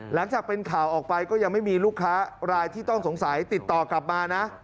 หลังจากเป็นข่าวออกไปก็ยังไม่มีลูกค้ารายที่ต้องสงสัยติดต่อกลับมานะ